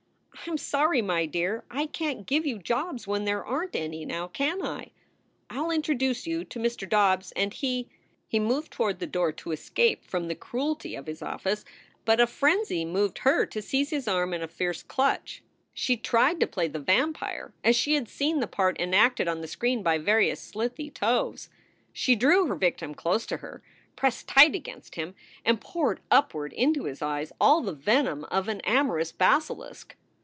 "I m sorry, my dear. I can t give you jobs when there aren t any, now can I? I ll introduce you to Mr. Dobbs and he " He moved toward the door to escape from the cruelty of i 9 4 SOULS FOR SALE his office, but a frenzy moved her to seize his arm in a fierce clutch. She tried to play the vampire as she had seen the part enacted on the screen by various slithy toves. She drew her victim close to her, pressed tight against him, and poured upward into his eyes all the venom of an amorous basilisk.